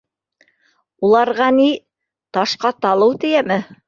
— Уларға ни, ташҡа талыу тейәме!